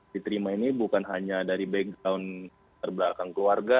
diterima ini bukan hanya dari background terbelakang keluarga